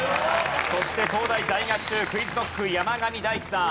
そして東大在学中ＱｕｉｚＫｎｏｃｋ山上大喜さん。